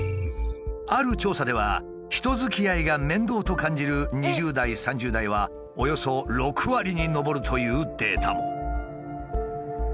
ある調査では人づきあいが面倒と感じる２０代３０代はおよそ６割に上るというデータも。